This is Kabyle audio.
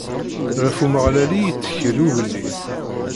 Ɣef Umeɣlal i yettkel ugellid.